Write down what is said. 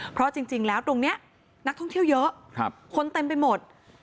เพราะจริงแล้วตรงนี้นักท่องเที่ยวเยอะคนเต็มไปหมด